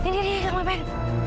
nih nih kamu mau apaan